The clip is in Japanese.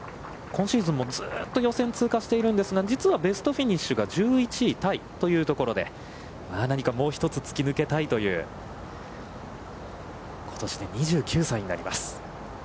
今シーズンもずっと予選通過しているんですが、実はベストフィニッシュが１１位タイというところで、何かもう一つ突き抜けたいということしで２９歳になります。